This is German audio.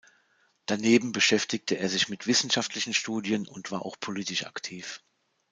Daneben beschäftigte er sich mit wissenschaftlichen Studien und war auch politisch aktiv.